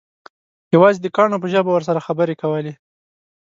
یوازې د کاڼو په ژبه ورسره خبرې کولې.